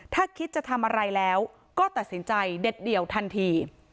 ถ้าคิดจะทำอะไรแล้วก็ตัดสินใจเด็ดเดี่ยวทันที